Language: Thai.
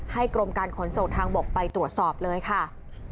กรมการขนส่งทางบกไปตรวจสอบเลยค่ะ